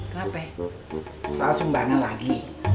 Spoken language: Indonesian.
kenapa soal sumbangan lagi